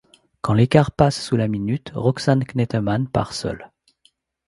Quand l'écart passe sous la minute Roxane Knetemann part seule.